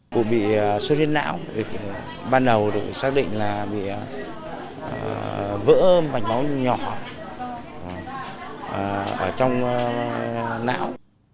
cụ bị xuất huyết não ban đầu được xác định là bị vỡ mạch máu nhỏ ở trong não